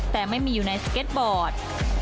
แต่ไม่มีอยู่ในสเก็ตบอร์ด